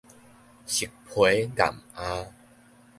熟皮儑餡